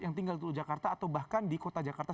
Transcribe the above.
yang tinggal di jakarta atau bahkan di kota jakarta